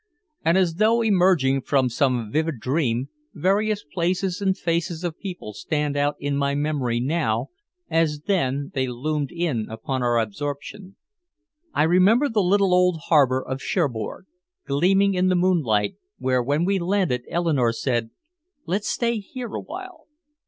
And as though emerging from some vivid dream, various places and faces of people stand out in my memory now, as then they loomed in upon our absorption. I remember the little old harbor of Cherbourg, gleaming in the moonlight, where when we landed Eleanore said, "Let's stay here awhile."